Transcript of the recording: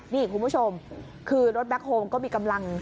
นี่คุณผู้ชมคือรถแบ็คโฮมก็มีกำลัง